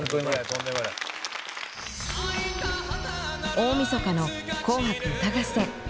大みそかの「紅白歌合戦」。